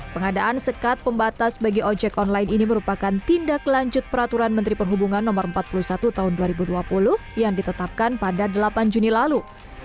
pengadaan sekat pembatas bagi ojek online ini merupakan tindak lanjut peraturan menteri perhubungan no empat puluh satu tahun dua ribu dua puluh yang ditetapkan pada delapan juni lalu